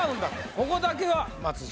ここだけは松潤